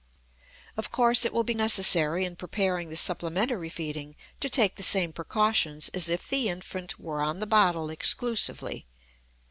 Of course, it will be necessary in preparing the supplementary feeding to take the same precautions as if the infant were on the bottle exclusively.